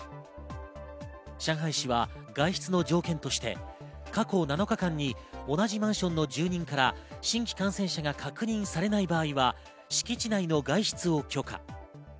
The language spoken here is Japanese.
上海市は外出の条件として過去７日間に同じマンションの住人から新規感染者が確認されない場合は敷地内の外出を許可。